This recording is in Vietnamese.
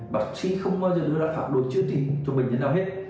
bác sĩ không bao giờ đưa ra phạm đồ chữa trị cho bệnh nhân nào hết